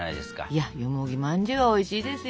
いやよもぎまんじゅうはおいしいですよ。